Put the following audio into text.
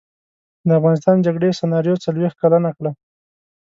د افغانستان جګړې سناریو څلویښت کلنه کړه.